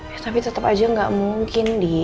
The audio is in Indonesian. ya tapi tetep aja gak mungkin dih